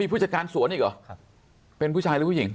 ผู้จัดการสวนอีกเหรอเป็นผู้ชายหรือผู้หญิง